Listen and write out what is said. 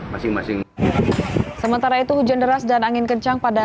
masing masing sementara itu hujan deras dan angin kencang pada